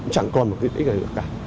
chẳng còn một tiện ích này nữa cả